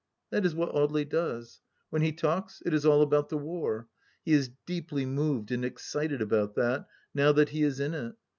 That is what Audely does. When he talks, it is all about the War. He is deeply moved and excited about that, now that he is in it.